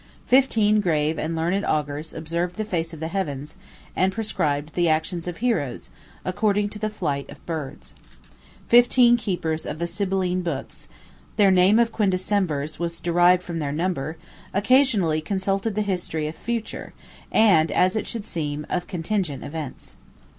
Fifteen grave and learned Augurs observed the face of the heavens, and prescribed the actions of heroes, according to the flight of birds. Fifteen keepers of the Sibylline books (their name of Quindecemvirs was derived from their number) occasionally consulted the history of future, and, as it should seem, of contingent, events.